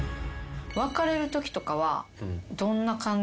別れるときとかはどんな感じなんですか？